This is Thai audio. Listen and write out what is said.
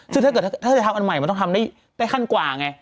ซึ่งถ้าเกิดถ้าจะทำอันใหม่มันต้องทำได้ขั้นกว่าไง